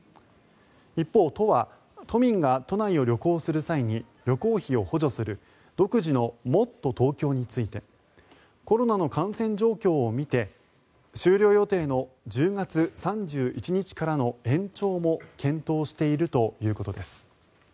一方、都は都民が都内を旅行する際に旅行費を補助する独自のもっとＴｏｋｙｏについてコロナの感染状況を見て終了予定の１０月３１日からの延長も検討しているということです。